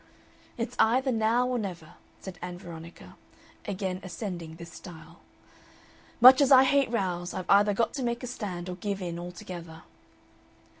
"It's either now or never," said Ann Veronica, again ascending this stile. "Much as I hate rows, I've either got to make a stand or give in altogether."